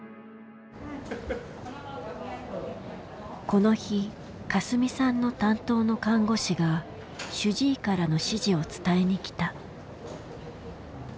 この日かすみさんの担当の看護師が主治医からの指示を伝えに来た。